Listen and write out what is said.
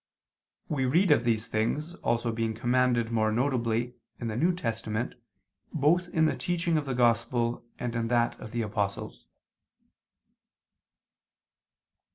We read of these things also being commanded more notably in the New Testament, both in the teaching of the Gospel and in that of the apostles.